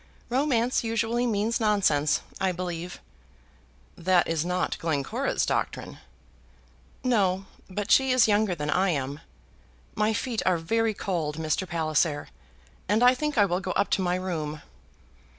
"Romance usually means nonsense, I believe." "That is not Glencora's doctrine." "No; but she is younger than I am. My feet are very cold, Mr. Palliser, and I think I will go up to my room."